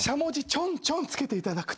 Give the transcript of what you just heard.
ちょんちょんつけていただくと。